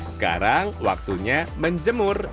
sekarang waktunya menjemur